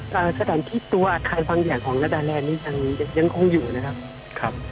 คือสถานที่ตัวอักทันบางอย่างของญาติแรงดันเนียยังคงอยู่นะครับ